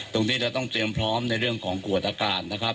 ตรงนี้เราต้องเตรียมพร้อมในเรื่องของกวดอากาศนะครับ